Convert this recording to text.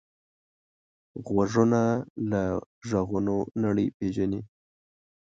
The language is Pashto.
غوږونه له غږونو نړۍ پېژني